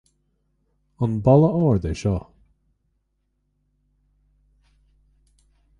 An balla ard é seo